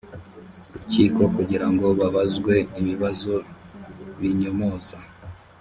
rukiko kugira ngo babazwe ibibazo binyomoza